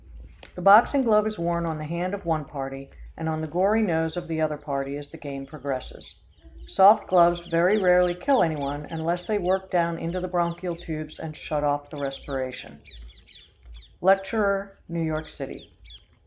The boxing glove is worn on the hand of one party, and on the gory nose of the other party as the game progresses. Soft gloves very rarely kill anyone, unless they work down into the bronchial tubes and shut off the respiration. [Illustration: "HE EXCEEDED ME IN BRUTE FORCE."] Lecturer, New York City.